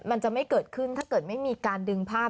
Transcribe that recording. มันจะไม่เกิดขึ้นถ้าเกิดไม่มีการดึงภาพ